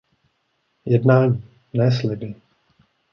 Jednání, ne sliby.